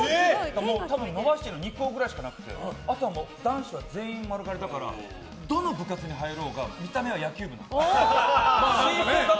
多分伸ばしていいの２校ぐらいしかなくて男子は全員丸刈りだからどの部活に入ろうが見た目は野球部なの。